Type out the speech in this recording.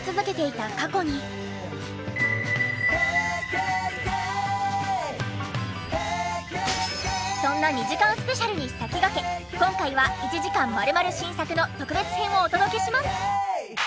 これまでそんな２時間スペシャルに先駆け今回は１時間丸々新作の特別編をお届けします。